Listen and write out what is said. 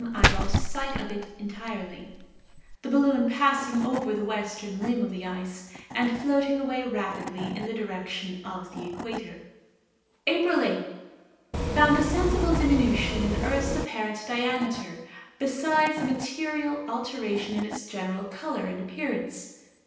I lost sight of it entirely; the balloon passing over the western limb of the ice, and floating away rapidly in the direction of the equator. "April 8th. Found a sensible diminution in the earth's apparent diameter, besides a material alteration in its general color and appearance.